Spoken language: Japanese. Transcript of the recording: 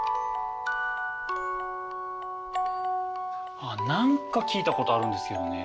あっ何か聴いたことあるんですけどね